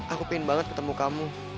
aku pengen banget ketemu kamu